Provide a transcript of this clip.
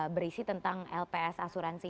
berisi tentang lps asuransi